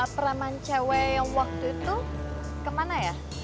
preman cewek waktu itu kemana ya